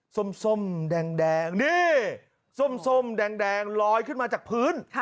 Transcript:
ส้มแดงนี่ส้มแดงลอยขึ้นมาจากพื้น